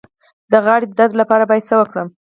د غاړې د درد لپاره باید څه وکړم؟